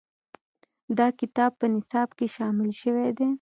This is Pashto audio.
دا کتاب په نصاب کې شامل شوی دی.